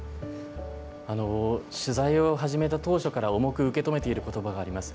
取材を始めた当初から重く受け止めていることばがあります。